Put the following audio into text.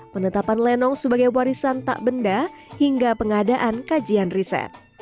penetapan lenong sebagai warisan tak benda hingga pengadaan kajian riset